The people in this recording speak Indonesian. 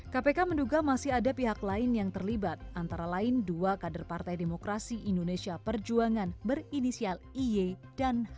kpk menduga masih ada pihak lain yang terlibat antara lain dua kader partai demokrasi indonesia perjuangan berinisial iy dan